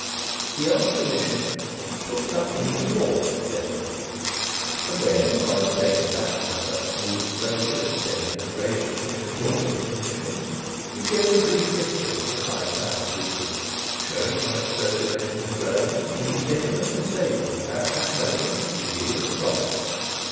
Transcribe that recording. He asked permission "to put something before" Denry. And when, rather taken aback by such smooth phrases, Denry had graciously accorded the permission, he gave a brief history of the Five Towns Weekly, showing how its circulation had grown, and definitely stating that at that moment it was yielding a profit.